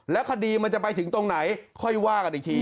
แล้วคดีมันจะไปถึงตรงไหนค่อยพูดอีกที